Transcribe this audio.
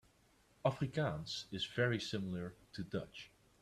Afrikaans is very similar to Dutch.